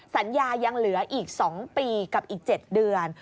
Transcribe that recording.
สัญญายังเหลืออีก๒ปีกับอีก๗เดือน